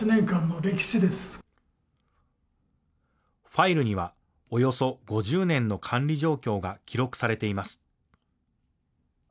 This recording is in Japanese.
ファイルには、およそ５０年の管理状況が記録されています。